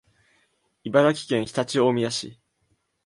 茨城県常陸大宮市